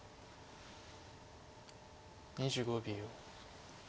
２５秒。